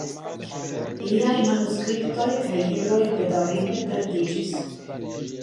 Liaj manuskriptoj kaj libroj bedaŭrinde perdiĝis.